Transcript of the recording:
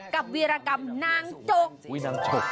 กับวิรากรรมนางจก